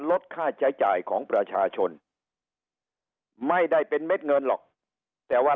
ลดค่าใช้จ่ายของประชาชนไม่ได้เป็นเม็ดเงินหรอกแต่ว่า